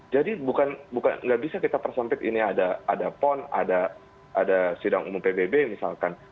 jadi bukan nggak bisa kita persempit ini ada pon ada sidang umum pbb misalkan